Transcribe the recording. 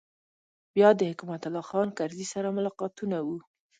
بیا د حکمت الله خان کرزي سره ملاقاتونه و.